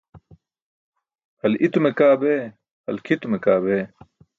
Hal i̇tume kaa bee, hal kʰitume kaa bee.